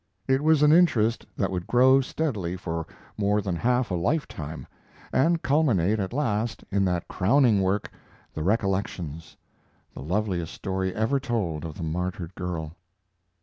It was an interest that would grow steadily for more than half a lifetime and culminate at last in that crowning work, the Recollections, the loveliest story ever told of the martyred girl.